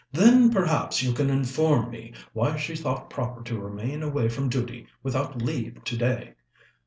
"Then, perhaps, you can inform me why she thought proper to remain away from duty without leave today."